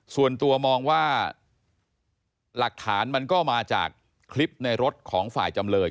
ส่วนตัวมองว่าหลักฐานมันก็มาจากคลิปในรถของฝ่ายจำเลย